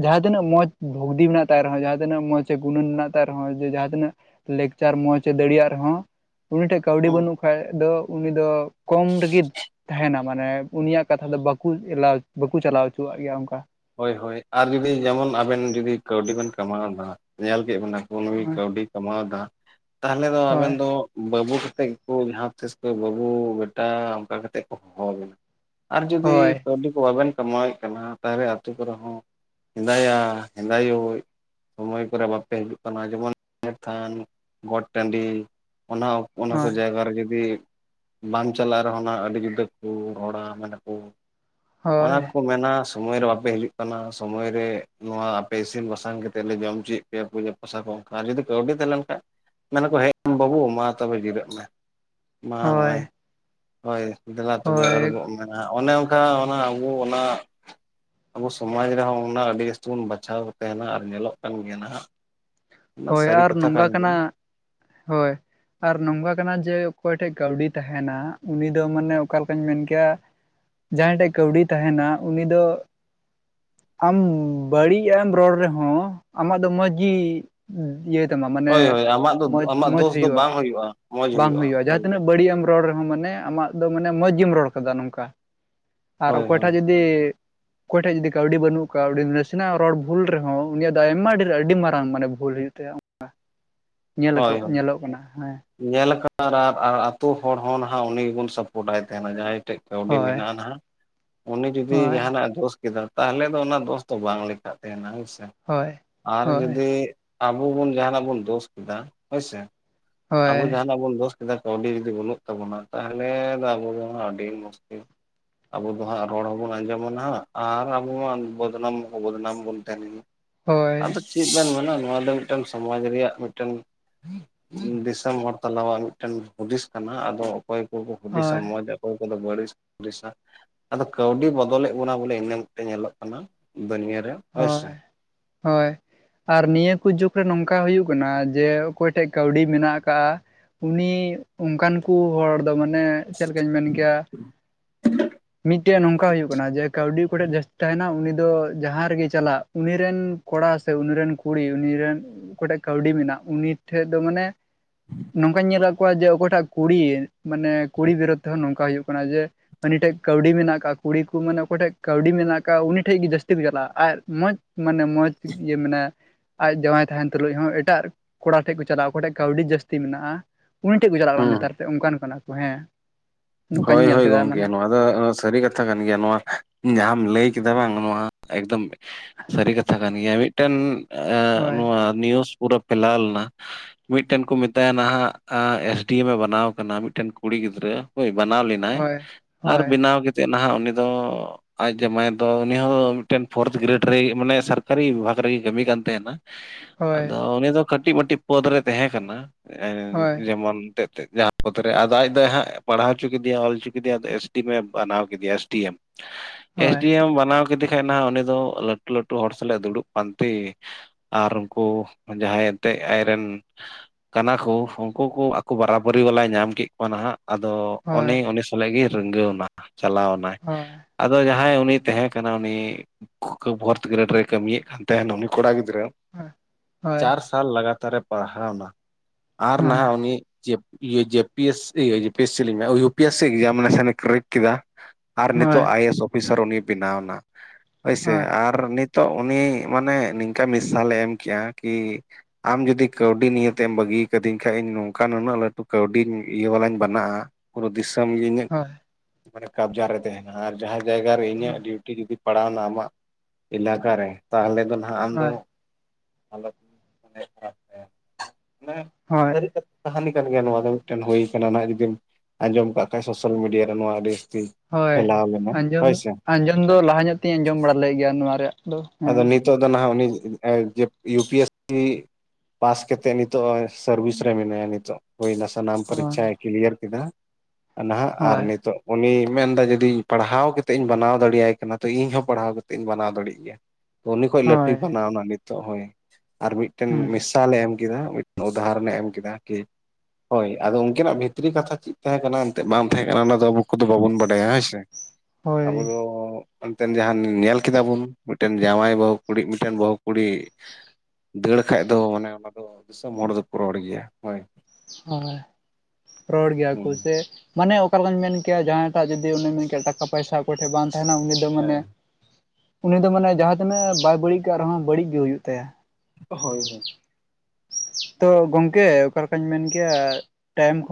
ᱡᱟᱦᱟᱸ ᱛᱤᱱᱟᱹᱜ ᱢᱚᱸᱡᱽ ᱵᱷᱩᱜᱫᱤ ᱢᱮᱱᱟᱜ ᱛᱟᱭ ᱨᱮᱦᱚᱸ, ᱡᱟᱦᱟᱸ ᱛᱤᱱᱟᱹᱜ ᱢᱚᱸᱡᱽ ᱮ ᱜᱩᱱᱟᱹᱱ ᱢᱮᱱᱟᱜ ᱛᱟᱭ ᱨᱮᱦᱚᱸ, ᱡᱮ ᱡᱟᱦᱟᱸ ᱛᱤᱱᱟᱹᱜ ᱞᱮᱠᱪᱟᱨ ᱢᱚᱸᱡᱽᱮ ᱫᱟᱲᱮᱭᱟᱜ ᱨᱮᱦᱚᱸ, ᱩᱱᱤ ᱴᱷᱮᱡ ᱠᱟᱹᱣᱰᱤ ᱦᱩᱸ ᱵᱟᱹᱱᱩᱜ ᱠᱷᱟᱡ ᱫᱚ ᱩᱱᱤ ᱫᱚ ᱠᱚᱢ ᱨᱮᱜᱮ ᱛᱟᱦᱮᱸᱱᱟ ᱢᱟᱱᱮ ᱩᱱᱤᱭᱟᱜ ᱠᱟᱛᱷᱟ ᱫᱚ ᱵᱟᱠᱚ ᱮᱞᱟᱣ, ᱵᱟᱠᱚ ᱪᱟᱞᱟᱣ ᱦᱚᱪᱚᱣᱟᱜ ᱜᱮᱭᱟ ᱚᱝᱠᱟ᱾ ᱦᱳᱭ ᱦᱳᱭ, ᱟᱨ ᱡᱩᱫᱤ ᱡᱮᱢᱚᱱ ᱟᱵᱮᱱ ᱡᱩᱫᱤ ᱠᱟᱹᱣᱰᱤ ᱵᱮᱱ ᱠᱟᱢᱟᱣᱟᱭᱮᱫᱟ ᱧᱮᱞ ᱠᱮᱫ ᱵᱮᱱᱟ [unintelligible] ᱦᱳᱭ ᱠᱟᱹᱣᱰᱤᱭ ᱠᱟᱢᱟᱣᱮᱫᱟ, ᱛᱟᱦᱚᱞᱮ ᱫᱚ ᱟᱵᱮᱱ ᱫᱚ ᱵᱟᱹᱵᱩ ᱠᱟᱛᱮᱜ ᱜᱮᱠᱚ ᱡᱟᱦᱟᱸ ᱛᱤᱥ ᱠᱚ ᱵᱟᱹᱵᱩ, ᱵᱮᱴᱟ ᱚᱝᱠᱟ ᱠᱟᱛᱮᱜ ᱠᱚ ᱦᱚᱦᱚ ᱟᱵᱮᱱᱟ᱾ ᱟᱨ ᱡᱩᱫᱤ ᱦᱳᱭ ᱠᱟᱹᱣᱰᱤ ᱠᱚ ᱵᱟᱵᱮᱱ ᱠᱟᱢᱟᱣᱮᱫ ᱠᱟᱱᱟ ᱛᱟᱦᱚᱞᱮ ᱟᱛᱩ ᱠᱚᱨᱮ ᱦᱚᱸ ᱦᱮᱸᱫᱟ ᱭᱟ ᱦᱮᱸᱫᱟ ᱭᱳᱭ, ᱥᱚᱢᱚᱭ ᱠᱚᱨᱮ ᱵᱟᱯᱮ ᱦᱤᱡᱩᱜ ᱠᱟᱱᱟ ᱡᱮᱢᱚᱱ ᱡᱟᱦᱮᱨ ᱛᱷᱟᱱ, ᱜᱚᱴ ᱴᱟᱺᱰᱤ, ᱚᱱᱟ ᱚᱱᱟ ᱠᱚ ᱦᱳᱭ ᱡᱟᱭᱜᱟ ᱨᱮ ᱡᱩᱫᱤ ᱵᱟᱢ ᱪᱟᱞᱟᱜ ᱨᱮᱦᱚᱸ ᱱᱟᱦᱟᱜ ᱟᱹᱰᱤ ᱡᱩᱫᱟᱹ ᱠᱚ ᱨᱚᱲᱟ ᱢᱮᱱᱟᱠᱚ, ᱚᱱᱟ ᱦᱳᱭ ᱠᱚᱠᱚ ᱢᱮᱱᱟ ᱥᱚᱢᱚᱭ ᱨᱮ ᱵᱟᱯᱮ ᱦᱤᱡᱩᱜ ᱠᱟᱱᱟ ᱥᱚᱢᱳᱚᱭ ᱨᱮ ᱱᱚᱣᱟ ᱟᱯᱮ ᱤᱥᱤᱱ ᱵᱟᱥᱟᱝ ᱠᱟᱛᱮᱫ ᱞᱮ ᱡᱚᱢ ᱦᱚᱪᱚᱭᱮᱫ ᱯᱮᱭᱟ [inaudible] ᱯᱚᱭᱥᱟ ᱠᱚ ᱚᱝᱠᱟ ᱟᱨ ᱡᱩᱫᱤ ᱠᱟᱹᱣᱰᱤ ᱛᱟᱦᱮᱸ ᱞᱮᱱᱠᱷᱟᱡ ᱢᱮᱱ ᱟᱠᱚ [inaudible] ᱵᱟᱹᱵᱩ ᱢᱟ ᱛᱚᱵᱮ ᱡᱤᱨᱟᱹᱜ ᱢᱮ᱾ ᱢᱟ ᱦᱳᱭ ᱱᱚᱜᱼᱚᱭ, ᱦᱳᱭ ᱫᱮᱞᱟ ᱛᱚᱵᱮ ᱦᱳᱭ ᱟᱹᱨᱩᱵᱚᱜ ᱢᱮ᱾ ᱚᱱᱮ ᱚᱝᱠᱟ ᱚᱱᱟ ᱟᱵᱚ ᱚᱱᱟ ᱟᱵᱚ ᱥᱚᱢᱟᱡᱽ ᱨᱮᱦᱚᱸ ᱚᱱᱟ ᱟᱹᱰᱤ ᱡᱟᱹᱥᱛᱤ ᱵᱚᱱ ᱵᱟᱪᱷᱟᱣ ᱛᱟᱦᱮᱸᱱᱟ ᱟᱨ ᱧᱮᱞᱚᱜ ᱠᱟᱱ ᱜᱮᱭᱟ ᱱᱟᱦᱟᱜ᱾ ᱚᱱᱟ ᱦᱳᱭ ᱥᱟᱹᱨᱤ ᱟᱨ ᱠᱟᱛᱷᱟ ᱠᱟᱱ ᱱᱚᱝᱠᱟ ᱜᱮᱭᱟ ᱠᱟᱱᱟ, ᱦᱳᱭ᱾ ᱟᱨ ᱱᱚᱝᱠᱟ ᱠᱟᱱᱟ ᱡᱮ ᱚᱠᱚᱭ ᱴᱷᱮᱡ ᱠᱟᱹᱣᱰᱤ ᱛᱟᱦᱮᱸᱱᱟ, ᱩᱱᱤ ᱫᱚ ᱢᱟᱱᱮ ᱚᱠᱟ ᱞᱮᱠᱟᱧ ᱢᱮᱱ ᱠᱮᱭᱟ ᱡᱟᱦᱟᱸᱭ ᱴᱷᱮᱡ ᱠᱟᱹᱣᱰᱤ ᱛᱟᱦᱮᱸᱱᱟ ᱩᱱᱤ ᱫᱚ ᱟᱢ ᱵᱟᱹᱲᱤᱡ ᱮᱢ ᱨᱚᱲ ᱨᱮᱦᱚᱸ ᱟᱢᱟᱜ ᱫᱚ ᱢᱚᱡᱽ ᱜᱮ ᱤᱭᱟᱹᱭ ᱛᱟᱢᱟ ᱢᱟᱱᱮ ᱦᱳᱭ ᱦᱳᱭ ᱟᱢᱟᱜ ᱫᱚ ᱢᱚᱸᱡᱽ ᱟᱢᱟᱜ ᱢᱚᱸᱡᱽ ᱫᱳᱥ ᱫᱚ ᱦᱩᱭᱩᱜᱼᱟ, ᱵᱟᱝ ᱢᱚᱸᱡᱽ ᱵᱟᱝ ᱦᱩᱭᱩᱜᱼᱟ ᱦᱳᱭ ᱡᱟᱦᱟᱸ ᱛᱤᱱᱟᱹᱜ ᱵᱟᱹᱲᱤᱡ ᱮᱢ ᱨᱚᱲ ᱨᱮᱦᱚᱸ ᱢᱟᱱᱮ ᱟᱢᱟᱜ ᱫᱚ ᱢᱟᱱᱮ ᱢᱚᱸᱡᱽ ᱜᱮᱢ ᱨᱚᱲ ᱟᱠᱟᱫᱟ ᱱᱚᱝᱠᱟ, ᱟᱨ ᱦᱳᱭ ᱚᱠᱚᱭ ᱦᱳᱭ ᱴᱷᱟᱜ ᱡᱩᱫᱤ [inaudible] ᱚᱠᱚᱭ ᱴᱷᱮᱡ ᱡᱩᱫᱤ ᱠᱟᱹᱣᱰᱤ ᱵᱟᱹᱱᱩᱜ ᱠᱟᱜ-ᱟ ᱚᱸᱰᱮ ᱱᱟᱥᱮᱱᱟᱜ ᱨᱚᱲ ᱵᱷᱩᱞ ᱨᱮᱦᱚᱸ ᱩᱱᱤᱭᱟᱜ ᱫᱚ ᱟᱭᱢᱟ ᱰᱷᱮᱨ ᱟᱹᱰᱤ ᱢᱟᱨᱟᱝ ᱢᱟᱱᱮ ᱵᱷᱩᱞ ᱦᱩᱭᱩᱜ ᱛᱟᱭᱟ ᱚᱝᱠᱟ, ᱧᱮᱞ ᱦᱳᱭ ᱦᱳᱭ [inaudible] ᱧᱮᱞᱚᱜ ᱠᱟᱱᱟ ᱦᱮᱸ᱾ ᱧᱮᱞ [inaudible] ᱟᱨ ᱟᱨ ᱟᱛᱩ ᱦᱚᱲ ᱦᱚᱸ ᱱᱟᱦᱟᱜ ᱩᱱᱤ ᱜᱮᱵᱚᱱ ᱥᱟᱯᱚᱴᱟᱭ ᱛᱟᱦᱮᱸᱱᱟ ᱡᱟᱦᱟᱸᱭ ᱴᱷᱮᱡ ᱠᱟᱹᱣᱰᱤ ᱦᱳᱭ ᱢᱮᱱᱟᱜᱼᱟ ᱱᱟᱦᱟᱜ ᱩᱱᱤ ᱡᱩᱫᱤ ᱦᱳᱭ ᱡᱟᱦᱟᱸᱱᱟᱜ ᱮ ᱫᱳᱥ ᱠᱮᱫᱟ ᱛᱟᱦᱚᱞᱮ ᱫᱚ ᱚᱱᱟ ᱫᱚᱥ ᱫᱚ ᱵᱟᱝ ᱞᱮᱠᱷᱟᱜ ᱛᱟᱦᱮᱸᱱᱟ ᱦᱳᱭ ᱥᱮ, ᱦᱳᱭ ᱟᱨ ᱦᱳᱭ ᱡᱩᱫᱤ ᱟᱵᱚ ᱵᱚᱱ ᱡᱟᱦᱟᱸᱱᱟᱜ ᱵᱚᱱ ᱫᱳᱥ ᱠᱮᱫᱟ, ᱦᱳᱭ ᱥᱮ ᱟᱵᱚ ᱦᱳᱭ ᱡᱟᱦᱟᱸᱱᱟᱜ ᱵᱚᱱ ᱫᱳᱥ ᱠᱮᱫᱟ, ᱠᱟᱹᱣᱰᱤ ᱡᱩᱫᱤ ᱵᱟᱹᱱᱩᱜ ᱛᱟᱵᱚᱱᱟ ᱛᱟᱦᱚᱞᱮ ᱫᱚ ᱟᱵᱚ ᱫᱚ ᱦᱟᱸᱜ ᱟᱹᱰᱤ ᱢᱩᱥᱠᱤᱞ᱾ ᱟᱵᱚ ᱫᱚ ᱦᱟᱸᱜ ᱨᱚᱲ ᱦᱚᱸ ᱵᱚᱱ ᱟᱸᱡᱚᱢᱟ ᱱᱟᱦᱟᱜ ᱟᱨ ᱟᱵᱚ ᱢᱟ ᱵᱚᱫᱽᱱᱟᱢ ᱦᱚᱸ ᱵᱚᱫᱽᱱᱟᱢ ᱵᱚᱱ ᱛᱟᱦᱮᱸᱱᱟ ᱜᱮᱭᱟ᱾ ᱦᱳᱭ᱾ ᱪᱮᱫ ᱵᱮᱱ ᱢᱮᱱᱟ, ᱱᱚᱣᱟ ᱫᱚ ᱢᱤᱫᱴᱮᱱ ᱥᱚᱢᱟᱡ ᱨᱮᱭᱟᱜ ᱢᱤᱫᱴᱮᱱ ᱫᱤᱥ ᱥᱚᱢ ᱦᱚᱲ ᱛᱟᱞᱟᱣᱟᱜ ᱢᱤᱫᱴᱮᱱ ᱦᱩᱫᱤᱥ ᱠᱟᱱᱟ, ᱟᱫᱚ ᱚᱠᱚᱭ ᱠᱚᱠᱚ ᱦᱩᱫᱤᱥᱟ ᱦᱳᱭ ᱢᱚᱡᱽ ᱚᱠᱚᱭ ᱠᱚᱫᱚ ᱵᱟᱹᱰᱤᱡ [inaudible] ᱦᱩᱫᱤᱥᱟ᱾ ᱟᱫᱚ ᱠᱟᱹᱣᱰᱤ ᱵᱚᱫᱚᱞᱮᱫ ᱵᱚᱱᱟ ᱵᱚᱞ ᱤᱱᱟᱹ ᱢᱤᱫᱴᱮᱱ ᱧᱮᱞᱚᱜ ᱠᱟᱱᱟ ᱫᱩᱱᱤᱭᱟᱹ ᱨᱮ᱾ ᱦᱳᱭ, ᱦᱳᱭ᱾ ᱟᱨ ᱱᱤᱭᱟᱹ ᱠᱚ ᱡᱩᱜᱽ ᱨᱮ ᱱᱚᱝᱠᱟ ᱦᱩᱭᱩᱜ ᱠᱟᱱᱟ ᱡᱮ ᱚᱠᱚᱭ ᱴᱷᱮᱡ ᱠᱟᱹᱣᱰᱤ ᱢᱮᱱᱟᱜ ᱟᱠᱟᱜ ᱩᱱᱤ ᱚᱱᱠᱟᱱ ᱠᱚ ᱦᱚᱲ ᱫᱚ ᱢᱟᱱᱮ ᱪᱮᱫ ᱞᱮᱠᱟᱧ ᱢᱮᱱ ᱠᱮᱭᱟ? ᱢᱤᱫᱴᱮᱡ ᱱᱚᱝᱠᱟ ᱦᱩᱭᱩᱜ ᱠᱟᱱᱟ ᱡᱮ ᱠᱟᱹᱣᱰᱤ ᱚᱠᱚᱭ ᱴᱷᱮᱡ ᱡᱟᱹᱥᱛᱤ ᱛᱟᱦᱮᱱᱟ ᱩᱱᱤ ᱫᱚ ᱡᱟᱦᱟᱸ ᱨᱮᱜᱮ ᱪᱟᱞᱟᱜ ᱩᱱᱤ ᱨᱮᱱ ᱠᱚᱲᱟ ᱥᱮ ᱩᱱᱤ ᱨᱮᱱ ᱠᱩᱲᱤ, ᱩᱱᱤ ᱨᱮᱱ ᱚᱠᱚᱭ ᱴᱷᱮᱡ ᱠᱟᱹᱣᱰᱤ ᱢᱮᱱᱟᱜ, ᱩᱱᱤ ᱴᱷᱮᱡ ᱫᱚ ᱢᱟᱱᱮ ᱱᱚᱝᱠᱟᱧ ᱧᱮᱞ ᱠᱟᱜ ᱠᱚᱣᱟ ᱡᱮ ᱚᱠᱚᱭ ᱴᱟᱜ ᱠᱩᱲᱤ ᱢᱟᱱᱮ ᱠᱩᱲᱤ ᱵᱤᱨᱩᱫᱽ ᱛᱮᱦᱚᱸ ᱱᱚᱝᱠᱟ ᱦᱩᱭᱳᱜ ᱠᱟᱱᱟ ᱡᱮ ᱩᱱᱤ ᱴᱷᱮᱡ ᱠᱟᱹᱣᱰᱤ ᱢᱮᱱᱟᱜ ᱠᱟᱜᱼᱟ, ᱠᱩᱲᱤ ᱠᱚ ᱢᱟᱱᱮ ᱚᱠᱚᱭ ᱴᱷᱮᱡ ᱠᱟᱹᱣᱰᱤ ᱢᱮᱱᱟᱜ ᱠᱟᱜ-ᱟ ᱩᱱᱤ ᱴᱷᱮᱡ ᱜᱮ ᱡᱟᱹᱥᱛᱤ ᱠᱚ ᱪᱟᱞᱟᱜᱼᱟ᱾ ᱟᱨ ᱢᱚᱡᱽ ᱢᱟᱱᱮ, ᱢᱚᱡᱽ ᱤᱭᱟᱹ ᱢᱮᱱᱟᱭᱟ᱾ ᱟᱡ ᱡᱟᱶᱟᱭ ᱛᱟᱦᱮᱱ ᱛᱩᱞᱩᱡ ᱦᱚᱸ ᱮᱴᱟᱜ ᱠᱚᱲᱟ ᱴᱷᱮᱡ ᱠᱚ ᱪᱟᱞᱟᱜᱼᱟ, ᱚᱠᱚᱭ ᱴᱷᱮᱡ ᱠᱟᱹᱣᱰᱤ ᱡᱟᱹᱥᱛᱤ ᱢᱮᱱᱟᱜᱼᱟ᱾ ᱩᱱᱤ ᱴᱷᱮᱡ ᱠᱚ ᱪᱟᱞᱟᱜ ᱠᱟᱱᱟ, ᱦᱩᱸ ᱱᱮᱛᱟᱨ ᱛᱮ ᱚᱱᱠᱟᱱ ᱠᱟᱱᱟ ᱠᱚ ᱦᱮᱸ᱾ ᱱᱚᱝᱠᱟᱧ ᱦᱳᱭ ᱧᱮᱞ ᱦᱳᱭ ᱠᱮᱫᱟ ᱢᱟᱱᱮ ᱜᱚᱝᱠᱮ ᱱᱚᱣᱟ ᱟᱫᱚ ᱚᱱᱟ ᱥᱟᱹᱨᱤ ᱠᱟᱛᱷᱟ ᱠᱟᱱ ᱜᱮᱭᱟ᱾ ᱱᱚᱣᱟ ᱡᱟᱦᱟᱸᱢ ᱞᱟᱹᱭ ᱠᱮᱫᱟ ᱵᱟᱝ ᱱᱚᱣᱟ ᱮᱠᱫᱚᱢ ᱥᱟᱹᱨᱤ ᱠᱟᱛᱷᱟ ᱠᱟᱱ ᱜᱮᱭᱟ᱾ ᱢᱤᱫᱴᱟᱱ ᱮᱸᱜ ᱦᱳᱭ ᱱᱚᱣᱟ ᱱᱤᱭᱩᱡ ᱯᱩᱨᱟᱹ ᱯᱷᱮᱞᱟᱣ ᱞᱮᱱᱟ᱾ ᱢᱤᱫᱴᱮᱱ ᱠᱚ ᱢᱮᱛᱟᱭᱟ ᱱᱟᱦᱟᱜ ᱮᱸ ᱮᱥ ᱰᱤ ᱮᱢ ᱵᱮᱱᱟᱣ ᱟᱠᱟᱱᱟ ᱢᱤᱫᱴᱮᱱ ᱠᱩᱲᱤ ᱜᱤᱫᱽᱨᱟᱹ᱾ ᱦᱳᱭ ᱵᱟᱱᱟᱣ ᱞᱮᱱᱟᱭ ᱦᱳᱭ ᱟᱨ ᱦᱳᱭ ᱵᱮᱱᱟᱣ ᱠᱟᱛᱮᱫ ᱱᱟᱦᱟᱜ ᱩᱱᱤ ᱫᱚ ᱟᱡ ᱡᱟᱢᱟᱭ ᱫᱚ ᱩᱱᱤ ᱦᱚᱸ ᱢᱤᱫᱴᱮᱱ ᱯᱷᱳᱨᱛᱷ ᱜᱨᱮᱰ ᱨᱮ ᱢᱟᱱᱮ ᱥᱟᱨᱠᱟᱨᱤ ᱵᱤᱵᱷᱟᱜᱽ ᱨᱮᱜᱮ ᱠᱟᱹᱢᱤ ᱠᱟᱱ ᱛᱟᱦᱮᱱᱟ᱾ ᱦᱳᱭ ᱟᱫᱚ ᱩᱱᱤ ᱫᱚ ᱠᱟᱹᱴᱤᱡ ᱢᱟᱹᱴᱤᱡ ᱯᱚᱫ ᱨᱮ ᱛᱟᱦᱮᱸ ᱠᱟᱱᱟ, ᱮᱸ ᱦᱳᱭ ᱡᱮᱢᱚᱱ ᱮᱱᱛᱮᱫ ᱛᱮᱜ ᱡᱟᱦᱟᱸ ᱯᱚᱫ ᱨᱮ ᱟᱫᱚ ᱟᱡ ᱫᱚᱭ ᱦᱟᱸᱜ ᱯᱟᱲᱦᱟᱜ ᱦᱚᱪᱚ ᱠᱮᱫᱮᱭᱟ, ᱚᱞ ᱦᱚᱪᱚ ᱠᱮᱫᱮᱭᱟ ᱟᱫᱚ ᱮᱥ ᱰᱤ ᱮᱢ ᱮ ᱵᱮᱱᱟᱣ ᱠᱮᱫᱮᱭᱟ ᱮᱥ ᱰᱤ ᱮᱢ, ᱮᱥ ᱦᱳᱭ ᱰᱤ ᱮᱢ ᱵᱟᱱᱟᱣ ᱠᱮᱫᱮ ᱠᱷᱟᱡ ᱱᱟᱦᱟᱜ ᱩᱱᱤ ᱫᱚ ᱞᱟᱹᱴᱩ ᱞᱟᱹᱴᱩ ᱦᱚᱲ ᱥᱟᱞᱟᱜ ᱮ ᱫᱩᱲᱩᱵ ᱯᱟᱱᱛᱮ ᱟᱨ ᱩᱱᱠᱩ ᱯᱟᱦᱟᱸᱭ ᱮᱱᱛᱮᱜ ᱟᱡ ᱨᱮᱱ ᱠᱟᱱᱟ ᱠᱚ, ᱩᱱᱠᱩ ᱠᱚ ᱟᱠᱚ ᱵᱟᱨᱟ ᱵᱟᱹᱨᱤ ᱵᱟᱞᱟᱭ ᱧᱟᱢ ᱠᱮᱫ ᱠᱚᱣᱟ ᱱᱟᱦᱟᱜ ᱟᱫᱚ ᱦᱳᱭ ᱚᱱᱮ ᱦᱳᱭ ᱩᱱᱤ ᱥᱟᱞᱟᱜ ᱜᱮ ᱨᱤᱜᱟᱹᱣᱱᱟ, ᱪᱟᱞᱟᱣ ᱮᱱᱟᱭ᱾ ᱦᱳᱭ᱾ ᱟᱫᱚ ᱡᱟᱦᱟᱸᱭ ᱩᱱᱤ ᱛᱟᱦᱮᱸ ᱠᱟᱱᱟ ᱩᱱᱤ [unintelligible] ᱯᱷᱳᱨᱛᱷ ᱜᱨᱮᱰ ᱨᱮᱭ ᱠᱟᱹᱢᱤᱭᱮᱫ ᱠᱟᱱ ᱛᱟᱦᱮᱱᱟ ᱩᱱᱤ ᱠᱚᱲᱟ ᱜᱤᱫᱽᱨᱟᱹ, ᱦᱳᱭ ᱪᱟᱨ ᱥᱟᱞ ᱞᱟᱜᱟᱛᱟᱨᱮ ᱯᱟᱲᱦᱟᱣᱱᱟ ᱟᱨ ᱱᱟᱦᱟᱜ ᱦᱳᱭ ᱩᱱᱤ ᱡᱮ ᱤᱭᱟᱹ ᱡᱮ ᱯᱤ ᱮᱥ ᱤᱭᱟᱹ ᱡᱮ ᱯᱤ ᱮᱥ ᱥᱤ ᱞᱤᱧ ᱢᱮ, U P S C examination ᱮ ᱠᱨᱮᱠ ᱠᱮᱫᱟ᱾ ᱟᱨ ᱱᱤᱛᱚᱜ ᱦᱳᱭ ᱟᱭ ᱮᱥ ᱚᱯᱷᱤᱥᱟᱨ ᱩᱱᱤ ᱵᱮᱱᱟᱣ ᱮᱱᱟ ᱦᱳᱭ ᱥᱮ, ᱟᱨ ᱟᱨ ᱱᱤᱛᱚᱜ ᱩᱱᱤ ᱢᱟᱱᱮ ᱱᱤᱝᱠᱟ ᱢᱤᱥᱟᱞ ᱮ ᱮᱢ ᱠᱮᱜᱼᱟ ᱠᱤ ᱟᱢ ᱡᱩᱫᱤ ᱠᱟᱹᱣᱰᱤ ᱱᱤᱭᱟᱹ ᱛᱮᱢ ᱵᱟᱹᱜᱤ ᱟᱠᱟᱫᱤᱧ ᱠᱷᱟᱡ ᱤᱧ ᱱᱚᱝᱠᱟ ᱱᱩᱱᱟᱹᱜ ᱞᱟᱹᱴᱩ ᱠᱟᱹᱣᱰᱤᱧ ᱤᱭᱟᱹ ᱵᱟᱞᱟᱧ ᱵᱟᱱᱟᱜᱼᱟ ᱯᱩᱨᱟᱹ ᱫᱤᱥᱚᱢ ᱜᱮ ᱤᱧᱟᱹᱜ, ᱢᱟᱱᱮ ᱠᱟᱵᱽᱡᱟ ᱨᱮ ᱛᱟᱦᱮᱸᱱ᱾ ᱟᱨ ᱡᱟᱦᱟᱸ ᱡᱟᱭᱜᱟ ᱨᱮ ᱤᱧᱟᱹᱜ ᱰᱤᱭᱩᱴᱤ ᱡᱩᱫᱤ ᱯᱟᱲᱟᱣᱱᱟ ᱟᱢᱟᱜ ᱮᱞᱟᱠᱟ ᱨᱮ ᱛᱟᱦᱚᱞᱮ ᱫᱚ ᱱᱟᱜ ᱦᱳᱭ ᱟᱢᱫᱚ ᱦᱳᱭ [inaudible] ᱠᱟᱹᱦᱱᱤ ᱠᱟᱱ ᱜᱮᱭᱟ ᱱᱚᱣᱟ ᱫᱚ ᱢᱤᱫᱴᱮᱱ ᱦᱩᱭᱟ ᱟᱠᱟᱱᱟ ᱱᱟᱜ ᱡᱩᱫᱤᱢ ᱟᱸᱡᱚᱢ ᱠᱟᱜ ᱠᱷᱟᱡ ᱥᱳᱥᱟᱞ ᱢᱤᱰᱤᱭᱟ ᱨᱮ ᱱᱚᱣᱟ ᱟᱹᱰᱤ ᱡᱟᱹᱥᱛᱤ ᱦᱳᱭ ᱯᱷᱮᱞᱟᱣ ᱞᱮᱱᱟ ᱟᱸᱡᱚᱢ ᱦᱳᱭ ᱥᱮ᱾ ᱟᱸᱡᱚᱢ ᱫᱚ ᱞᱟᱦᱟ ᱧᱚᱜ ᱛᱤᱧ ᱟᱸᱡᱚᱢ ᱵᱟᱲᱟ ᱞᱮᱫ ᱜᱮᱭᱟ ᱱᱚᱣᱟ ᱨᱮᱭᱟᱜ ᱫᱚ ᱦᱮᱸ ᱟᱫᱚ ᱱᱤᱛᱚᱜ ᱫᱚ ᱱᱟᱦᱟᱜ ᱩᱱᱤ ᱮᱸ ᱡᱮᱯ U P S C pass ᱠᱟᱛᱮᱜ ᱱᱤᱛᱚᱜ ᱥᱟᱨᱵᱷᱤᱥ ᱨᱮ ᱢᱮᱱᱟᱭᱟ ᱱᱤᱛᱚᱜ᱾ ᱦᱩᱭ ᱱᱟ ᱥᱟᱱᱟᱢ ᱦᱳᱭ ᱯᱚᱨᱤᱠᱪᱟᱭ ᱠᱞᱤᱭᱟᱨ ᱠᱮᱫᱟ ᱱᱟᱦᱟᱜ ᱟᱨ ᱦᱳᱭ ᱱᱤᱛᱚᱜ ᱩᱱᱤ ᱢᱮᱱ ᱮᱫᱟ ᱡᱩᱫᱤ ᱯᱟᱲᱦᱟᱣ ᱠᱟᱛᱮᱫ ᱤᱧ ᱵᱮᱱᱟᱣ ᱫᱟᱲᱮᱭᱟᱭ ᱠᱟᱱᱟ ᱛᱚ ᱤᱧ ᱦᱚᱸ ᱯᱟᱲᱦᱟᱣ ᱠᱟᱛᱮᱜ ᱤᱧ ᱵᱮᱟᱱᱟᱣ ᱫᱟᱲᱮᱜ ᱜᱮᱭᱟ᱾ ᱩᱱᱤ ᱠᱷᱚᱡ ᱞᱟᱹᱴᱩᱭ ᱦᱳᱭ ᱵᱟᱱᱟᱣ ᱮᱱᱟ ᱱᱤᱛᱚᱜ ᱦᱳᱭ ᱟᱨ ᱢᱤᱫᱴᱮᱱ ᱦᱮᱸ ᱢᱤᱥ ᱥᱟᱞ ᱮ ᱮᱢ ᱠᱮᱫᱟ ᱢᱤᱫ ᱩᱫᱟᱦᱚᱨᱚᱱᱮ ᱮᱢ ᱠᱮᱫᱟ ᱠᱤ ᱦᱳᱭ ᱟᱫᱚ ᱩᱱᱠᱤᱱᱟᱜ ᱵᱷᱤᱛᱨᱤ ᱠᱟᱛᱷᱟ ᱪᱮᱫ ᱛᱟᱦᱮᱸ ᱠᱟᱱᱟ ᱮᱱᱛᱮᱫ ᱵᱟᱝ ᱛᱟᱦᱮᱸ ᱠᱟᱱᱟ ᱚᱱᱟ ᱫᱚ ᱟᱵᱚ ᱠᱚᱫᱚ ᱵᱟᱵᱚᱱ ᱵᱟᱰᱟᱭᱟ ᱦᱳᱭ ᱥᱮ᱾ ᱦᱳᱭ ᱟᱵᱚ ᱫᱚ ᱮᱱᱛᱮᱱ ᱡᱟᱦᱟᱸᱱ ᱧᱮᱞ ᱠᱮᱫᱟ ᱵᱚᱱ ᱢᱤᱫᱴᱮᱱ ᱡᱟᱶᱟᱭ ᱵᱟᱹᱦᱩ ᱠᱩᱲᱤ ᱢᱤᱫᱴᱮᱱ ᱵᱟᱹᱦᱩ ᱠᱩᱲᱤ ᱾ ᱫᱟᱹᱲ ᱠᱷᱟᱡ ᱫᱚ ᱢᱟᱱᱮ ᱚᱱᱟ ᱫᱚ ᱫᱤᱥᱚᱢ ᱦᱚᱲ ᱫᱚᱠᱚ ᱨᱚᱲ ᱜᱮᱭᱟ ᱦᱳᱭ ᱾ ᱦᱳᱭ ᱨᱚᱲ ᱜᱮᱭᱟ ᱠᱚ ᱦᱩᱸ ᱥᱮ ᱾ ᱢᱟᱱᱮ ᱚᱠᱟ ᱞᱮᱠᱟᱧ ᱢᱮᱱ ᱠᱮᱭᱟ ᱡᱟᱦᱟᱸᱭ ᱴᱟᱜ ᱡᱩᱫᱤ ᱩᱱᱤ ᱢᱮᱱ ᱠᱮᱭᱟ ᱴᱟᱠᱟ ᱯᱚᱭᱥᱟ ᱚᱠᱚᱭ ᱴᱷᱮᱱ ᱵᱟᱝ ᱛᱟᱦᱮᱸᱱᱟ ᱩᱱᱤ ᱫᱚ ᱢᱟᱱᱮ ᱦᱮᱸ ᱩᱱᱤ ᱫᱚ ᱢᱟᱱᱮ ᱡᱟᱦᱟᱸ ᱛᱤᱱᱟᱹᱜ ᱵᱟᱭ ᱵᱟᱹᱲᱤᱡ ᱠᱟᱜ ᱨᱮᱦᱚᱸ ᱵᱟᱹᱲᱤᱡ ᱜᱮ ᱦᱩᱭᱩᱜ ᱛᱟᱭᱟ ᱾ ᱦᱳᱭ ᱦᱳᱭ ᱾ ᱛᱚ ᱜᱚᱝᱠᱮ ᱚᱠᱟ ᱞᱮᱠᱟᱹᱧ ᱢᱮᱱ ᱠᱮᱭᱟ ᱴᱟᱭᱤᱢ ᱠᱚ